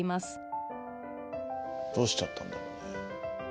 どうしちゃったんだろうね。